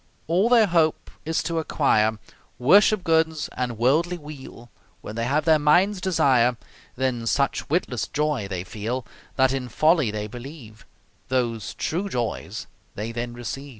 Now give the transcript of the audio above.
All their hope is to acquire Worship goods and worldly weal; When they have their mind's desire, Then such witless Joy they feel, That in folly they believe Those True Joys they then receive.